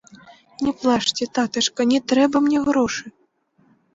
Не плачце, татачка, не трэба мне грошы!